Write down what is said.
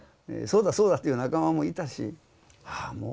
そうだそうだという仲間もいたしはあ